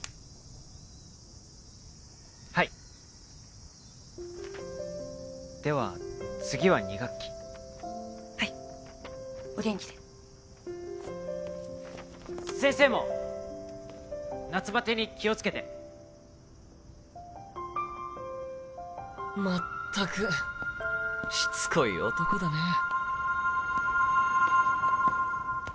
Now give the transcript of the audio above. はいでは次は２学期はいお元気で先生も夏バテに気をつけてまったくしつこい男だねえ